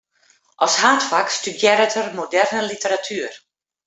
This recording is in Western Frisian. As haadfak studearret er moderne literatuer.